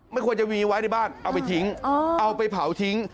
ไม่ควรจะมีไว้ในบ้านเอาไปทิ้งเอาไปเผาทิ้ง